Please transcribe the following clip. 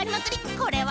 これは？